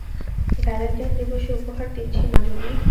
Valentine দিবসে উপহার দিচ্ছি মাজুনি।